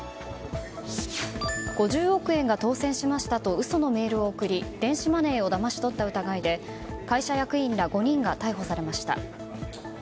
５０億円が当せんしましたと嘘のメールを送り電子マネーをだまし取った疑いで会社役員ら５人が逮捕されました。